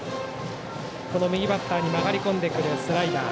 右バッターに曲がりこんでくるスライダー。